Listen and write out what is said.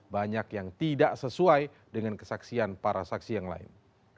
banyak yang tidak sesuai dengan kesaksian para saksi yang lain